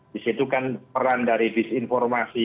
disitu kan peran dari disinformasi